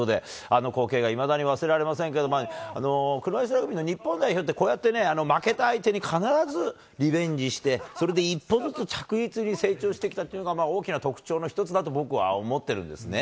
あの光景がいまだに忘れられませんけど、車いすラグビーの日本代表って、こうやってね、負けた相手に必ずリベンジして、それで一歩ずつ着実に成長してきたっていうのが大きな特徴の一つだと、僕は思ってるんですね。